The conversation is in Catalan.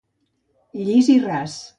Llis i ras.